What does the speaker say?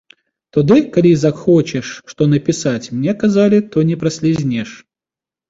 Туды калі і захочаш што напісаць, мне казалі, то не праслізнеш.